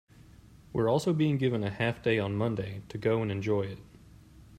We're also being given a half day on Monday to go and enjoy it.